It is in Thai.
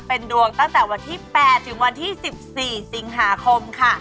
เป็นดวงตั้งแต่วันที่๘๑๔สิงหาคมค่ะ